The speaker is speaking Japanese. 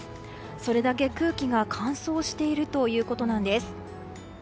それだけ空気が乾燥しているということなんです。